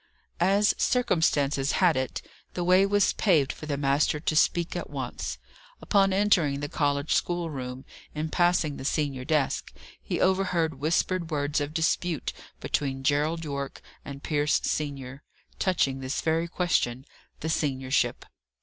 As circumstances had it, the way was paved for the master to speak at once. Upon entering the college schoolroom, in passing the senior desk, he overheard whispered words of dispute between Gerald Yorke and Pierce senior, touching this very question, the seniorship.